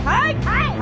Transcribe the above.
はい！